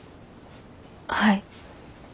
はい。